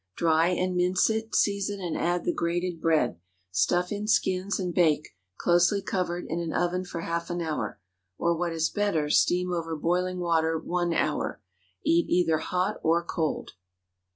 Dry and mince it, season, and add the grated bread. Stuff in skins, and bake, closely covered, in an oven for half an hour. Or, what is better, steam over boiling water one hour. Eat either hot or cold.